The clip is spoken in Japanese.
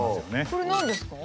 これ何ですか？